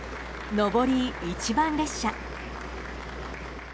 上り一番列車。